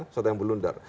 sesuatu yang blunder